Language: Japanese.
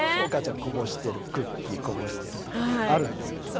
お母ちゃんこぼしてるクッキーこぼしてるとかあるんですよ。